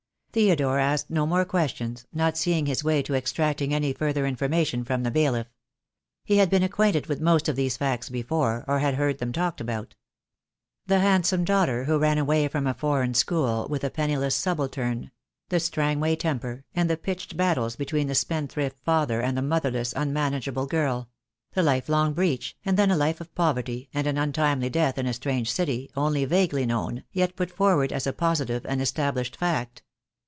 Theodore asked no more questions, not seeing his way to extracting any further information from the bailiff. He had been acquainted with most of these facts before, or had heard them talked about. The handsome daughter who ran away from a foreign school with a penniless subaltern — the Strangway temper, and the pitched battles between the spendthrift father and the motherless un manageable girl — the life long breach, and then a life of poverty and an untimely death in a strange city, only vaguely known, yet put forward as a positive and estab lished fact.